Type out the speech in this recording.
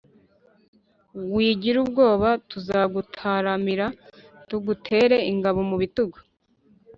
wigira ubwoba tuzagutaramira tugutere ingabo mu bitugu.